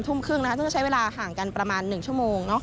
ทุ่มครึ่งซึ่งจะใช้เวลาห่างกันประมาณ๑ชั่วโมง